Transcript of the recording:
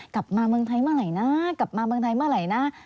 กลับมาเมืองไทยเมื่อไหร่นะ